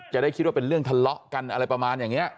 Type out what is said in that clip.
จะได้คิดว่าเป็นเรื่องทะเลาะกันอะไรประมาณอย่างนี้